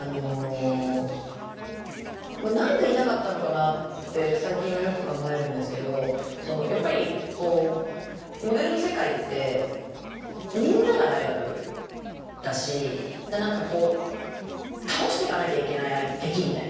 何でいなかったのかなって最近はよく考えるんですけどやっぱりこうモデルの世界ってみんながライバルだし何かこう倒していかなきゃいけない敵みたいな。